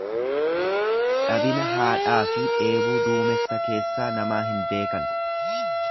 Dhabina haadhaafi dheebuu duumessa keessaa namaa hin beekan.